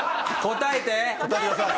答えてください！